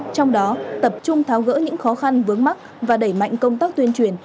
trong đó tập trung tháo gỡ những khó khăn vướng mắt và đẩy mạnh công tác tuyên truyền